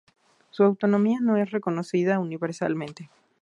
Su autonomía no es reconocida universalmente.